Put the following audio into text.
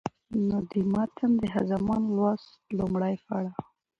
نو د متن د ښځمن لوست لومړى پړاو